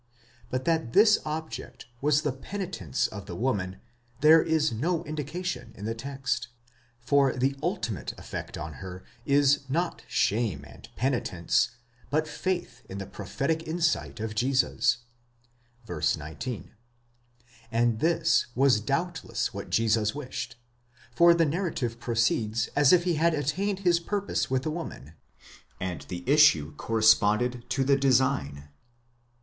But that this object was the penitence of the woman there is no indication in the text, for the ultimate effect on her is not shame and penitence, but faith in the prophetic insight of Jesus (v. 19). And this was doubtless what Jesus wished, for the narrative proceeds as if he had attained his purpose with the woman, and the issue corresponded to the design.